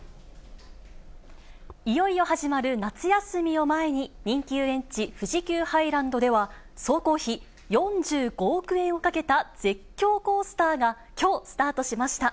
いよいよ始まる夏休みを前に、人気遊園地、富士急ハイランドでは、総工費４５億円をかけた絶叫コースターが、きょう、スタートしました。